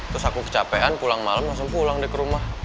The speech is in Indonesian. terus aku kecapean pulang malam langsung pulang deh ke rumah